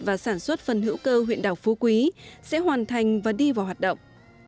và sản xuất phần hữu cơ huyện đảo phú quý sẽ hoàn thành và đi vào hoạt động